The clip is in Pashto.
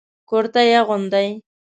کرتي اغوندئ